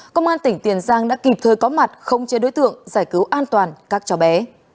công an tỉnh tiền giang đã kịp thời có mặt không chế đối tượng giải cứu an toàn các cháu bé